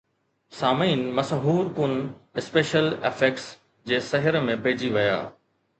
سامعين مسحور کن special effects جي سحر ۾ پئجي ويا